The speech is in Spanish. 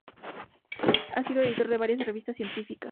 Ha sido editor de varias revistas científicas.